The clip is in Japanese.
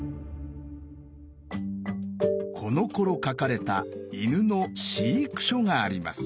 このころ書かれた犬の飼育書があります。